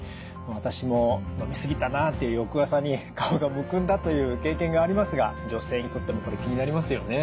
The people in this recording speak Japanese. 私も飲み過ぎたなあっていう翌朝に顔がむくんだという経験がありますが女性にとってもこれ気になりますよね。